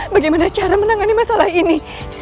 bagaimana cara menangani masalah ini